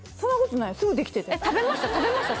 食べました？